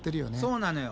そうなのよ。